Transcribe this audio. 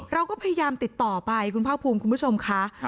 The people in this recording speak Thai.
เราก็พยายามติดต่อไปคุณภาคภูมิคุณผู้ชมค่ะ